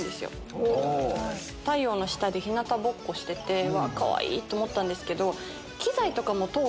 太陽の下で日なたぼっこしててかわいい！と思ったんですけど。